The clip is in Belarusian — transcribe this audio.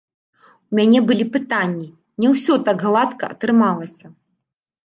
У мяне былі пытанні, не ўсё так гладка атрымалася.